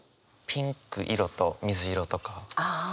ピンク色と水色とかですね。